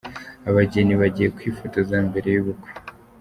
Abageni bagiye kwifotoza mbere y'ubukwe.